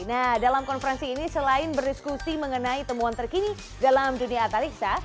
nah dalam konferensi ini selain berdiskusi mengenai temuan terkini dalam dunia analisa